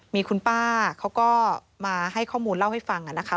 มีคุณป้าเขาก็มาให้ข้อมูลเล่าให้ฟังนะคะ